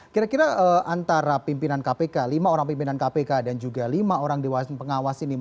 kira kira antara pimpinan kpk lima orang pimpinan kpk dan juga lima orang dewasa pengawas ini